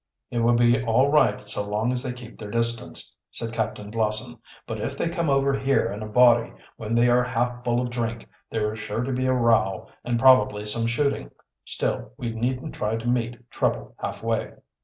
"It will be all right so long as they keep their distance," said Captain Blossom. "But if they come over here in a body when they are half full of drink, there is sure to be a row and probably some shooting. Still, we needn't try to meet trouble halfway."